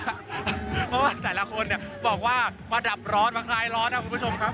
เพราะว่าแต่ละคนบอกว่ามาดับร้อนมาคลายร้อนครับคุณผู้ชมครับ